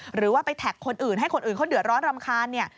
หรือว่าไปแท็กคนอื่นให้คนอื่นเขาเดือดร้อนรำคาญเนี่ย